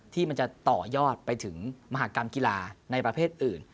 ที่มันจะต่อยอดไปถึงมหากรรมกีฬาในประเภทอื่น